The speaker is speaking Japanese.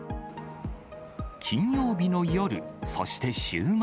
金曜日の夜、そして週末。